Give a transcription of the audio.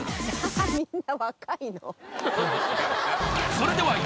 それではい